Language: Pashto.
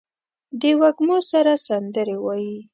د وږمو سره سندرې وايي